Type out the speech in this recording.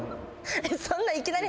そんないきなり。